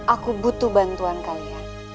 aku butuh bantuan kalian